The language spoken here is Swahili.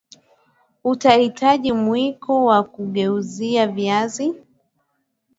Utahitaji Mwiko wa kugeuzia viazi